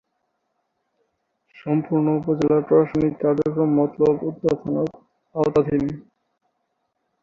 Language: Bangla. সম্পূর্ণ উপজেলার প্রশাসনিক কার্যক্রম মতলব উত্তর থানার আওতাধীন।